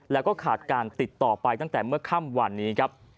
และขาดการติดต่อไปและค่ะตั้งแต่เมื่อค่ำวันนี้